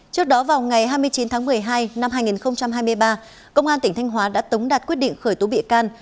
trước đó vào ngày hai mươi chín tháng một mươi hai năm hai nghìn hai mươi ba công an tỉnh thanh hóa đã tống đạt quyết định khởi tố bị can